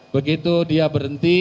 begitu dia berhenti